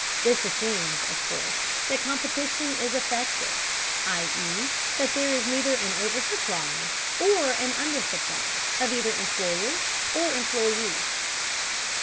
This assumes, of course, that competition is effective, i.e., that there is neither an oversupply or an undersupply of either employers or employees.